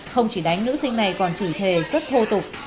không chỉ đánh nữ sinh này còn chỉ thề rất thô tục